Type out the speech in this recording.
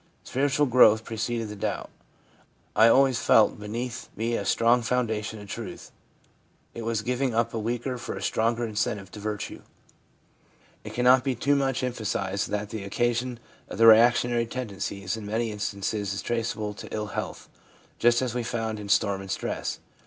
Spiritual growth preceded the doubt ; I always felt beneath me a strong foundation of truth ; it was giving up a weaker for a stronger incentive to virtue/ It cannot be too much emphasised that the occasion of the reactionary tendencies in many instances is traceable to ill health, just; as we found in storm and stress.